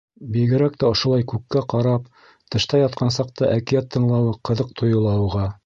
Бигерәк тә ошолай күккә ҡарап, тышта ятҡан саҡта әкиәт тыңлауы ҡыҙыҡ тойола уға.